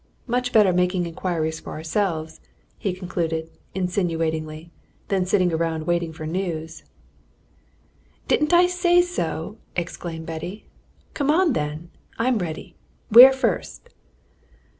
Much better making inquiries for ourselves," he concluded insinuatingly, "than sitting about waiting for news." "Didn't I say so?" exclaimed Betty. "Come on, then! I'm ready. Where first?"